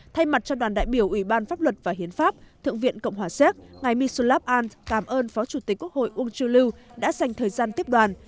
thay mặt cho đoàn đại biểu ủy ban pháp luật và hiến pháp thượng viện cộng hòa séc ngài misulav an cảm ơn phó chủ tịch quốc hội uông chu lưu đã dành thời gian tiếp đoàn